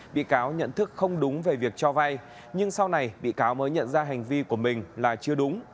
bị cáo nhận thức không đúng về việc cho vay nhưng sau này bị cáo mới nhận ra hành vi của mình là chưa đúng